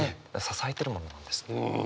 支えてるものなんです。